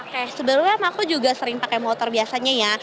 oke sebelumnya emang aku juga sering pakai motor biasanya ya